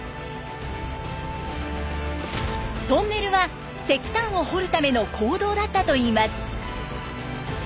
トンネルは石炭を掘るための坑道だったといいます。